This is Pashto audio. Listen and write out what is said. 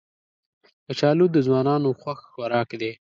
کچالو د ځوانانو خوښ خوراک دی